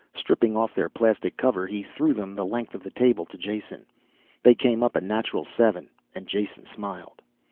Stripping off their plastic cover he threw them the length of the table to Jason. They came up a natural seven and Jason smiled.